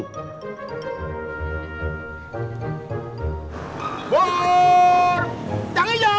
buuuur yang hijau